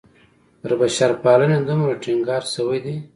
پر بشرپالنې دومره ټینګار شوی دی.